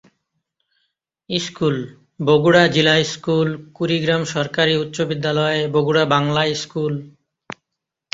School- Bogura Zilla school, Kurigram সরকারি উচ্চ বিদ্যালয়, বগুড়া বাংলা স্কুল।